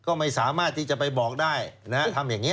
ก็ไม่สามารถที่จะไปบอกได้นะฮะทำอย่างนี้